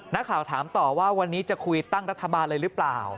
นักข่าวถามต่อว่าวันนี้จะคุยตั้งรัฐบาลเลยหรือเปล่า